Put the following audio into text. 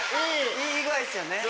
いい具合っすよね。